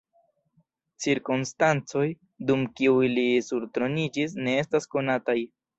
Cirkonstancoj, dum kiuj li surtroniĝis, ne estas konataj.